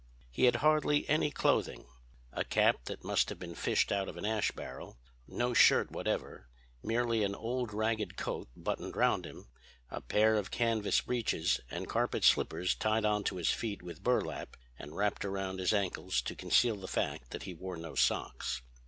He had hardly any clothing; a cap that must have been fished out of an ash barrel, no shirt whatever, merely an old ragged coat buttoned round him, a pair of canvas breeches and carpet slippers tied on to his feet with burlap, and wrapped round his ankles to conceal the fact that he wore no socks.